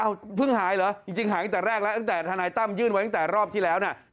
เอาเพิ่งหายเหรอจริงหายตั้งแต่แรกแล้วตั้งแต่ธนายตั้มยื่นไว้ตั้งแต่รอบที่แล้วนะ